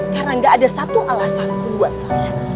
karena gak ada satu alasan buat saya